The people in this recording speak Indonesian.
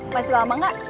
masih lama gak